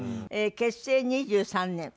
結成２３年。